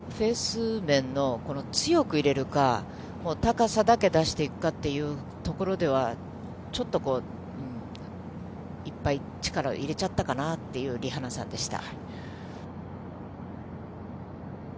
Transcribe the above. やはり左のラフから、ユーティリティーだと、フェース面の強く入れるか、高さだけ出していくかっていうところでは、ちょっとこう、いっぱい力を入れちゃったかなっていう、リ・ハナさんでした。